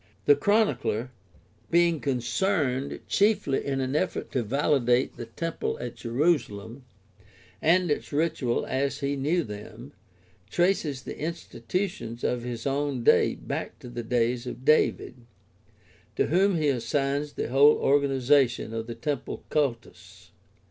The Chronicler, being concerned chiefly in an effort to validate the temple at Jerusalem and its ritual as he knew them, traces the institutions of his own day back to the days of David, to whom he assigns the whole organization of the temple cultus.